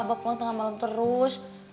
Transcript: bapak pulang tengah malam terus